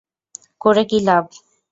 করে কী লাভ?